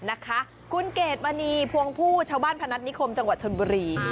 นะคะคุณเกดมณีพวงผู้ชาวบ้านพนัฐนิคมจังหวัดชนบุรี